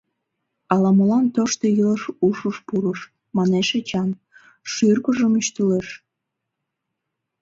Ала-молан тошто илыш ушыш пурыш, — манеш Эчан, шӱргыжым ӱштылеш.